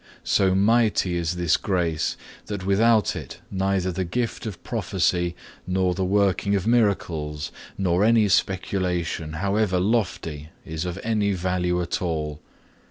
So mighty is this grace, that without it neither the gift of prophecy nor the working of miracles, nor any speculation, howsoever lofty, is of any value at all.